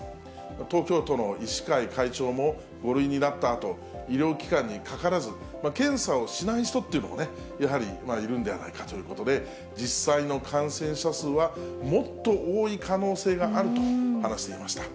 東京都の医師会会長も、５類になったあと、医療機関にかからず検査をしない人っていうのもね、やはりいるんではないかということで、実際の感染者数はもっと多い可能性があると話していました。